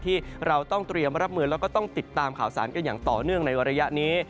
ที่เราต้องเตรียมรับมือแล้วก็ต้องติดตามข่าวสารกันอย่างต่อเนื่องในระยะนี้